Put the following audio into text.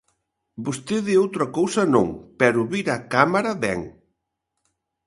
Vostede outra cousa non, pero vir á Cámara vén.